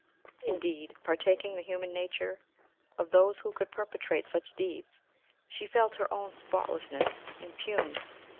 Indeed, partaking the human nature of those who could perpetrate such deeds, she felt her own spotlessness impugnent.